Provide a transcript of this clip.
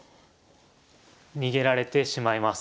逃げられてしまいます。